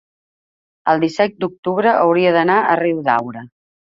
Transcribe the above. el disset d'octubre hauria d'anar a Riudaura.